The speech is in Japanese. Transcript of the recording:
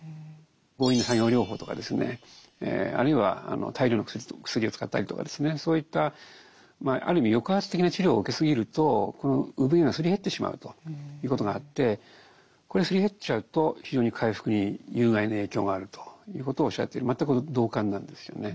強引な作業療法とかですねあるいは大量の薬を使ったりとかですねそういったある意味抑圧的な治療を受けすぎるとこの生ぶ毛がすり減ってしまうということがあってこれがすり減っちゃうと非常に回復に有害な影響があるということをおっしゃってて全く同感なんですよね。